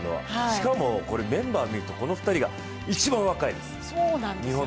しかも、メンバーを見ると、日本の２人が一番若いです。